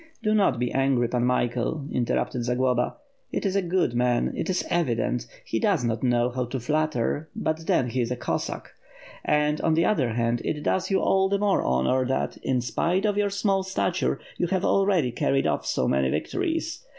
"Do not be angry; Pan Michael," interrupted Zagloba, "he is a good man, it is evident. He does not know how to flatter — ^but then he is a Cossaek. And, on the other hand, it does you all the more honor, that^ in spite of your small stature, you have already carried off so many victories.